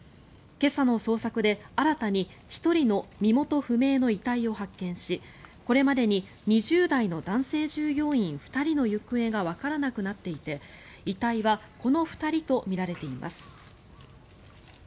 今朝の捜索で新たに１人の身元不明の遺体を発見しこれまでに２０代の男性従業員２人の行方がわからなくなっていて、遺体はこの２人とみられています。